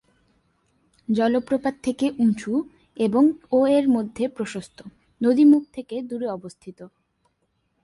জলপ্রপাত থেকে উঁচু এবং ও -এর মধ্যে প্রশস্ত; নদী মুখ থেকে দূরে অবস্থিত।